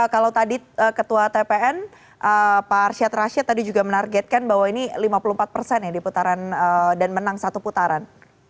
kalau tadi ketua tpn pak arsyad rashid tadi juga menargetkan bahwa ini lima puluh empat persen ya di putaran dan menang satu putaran